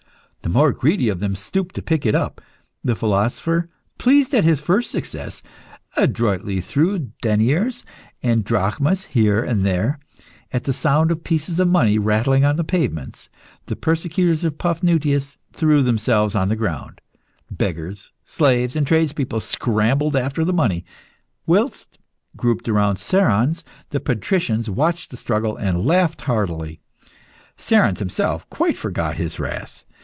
The more greedy of them stooped to pick it up. The philosopher, pleased at his first success, adroitly threw deniers and drachmas here and there. At the sound of the pieces of money rattling on the pavement, the persecutors of Paphnutius threw themselves on the ground. Beggars, slaves, and tradespeople scrambled after the money, whilst, grouped round Cerons, the patricians watched the struggle and laughed heartily. Cerons himself quite forgot his wrath.